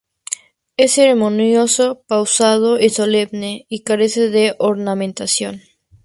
Es ceremonioso, pausado y solemne, y carece de ornamentación.